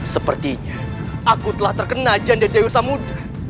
sepertinya aku telah terkena ajen dari dewi samudera